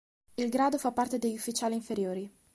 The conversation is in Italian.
Il grado fa parte degli Ufficiali inferiori.